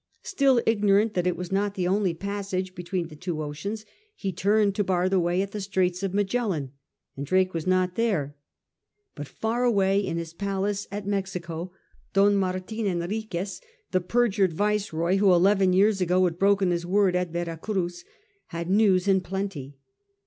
Still ignorant that it was not the only passage between the two oceans, he turned to bar the way at the Straits of Magellan, and Drake was not there. But far away, in his palace at Mexico, Don Martin Enriquez, the perjured Viceroy who eleven years ago had broken his word at Vera Cruz, had news in plenty.